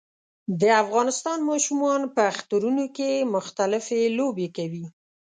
د افغانستان ماشومان په اخترونو کې مختلفي لوبې کوي